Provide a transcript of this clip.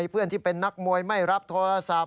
เพื่อนที่เป็นนักมวยไม่รับโทรศัพท์